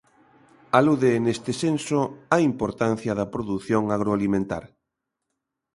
Alude neste senso á importancia da produción agroalimentar.